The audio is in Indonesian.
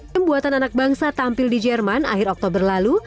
pembuatan anak bangsa tampil di jerman akhir oktober lalu